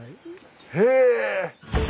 へえ！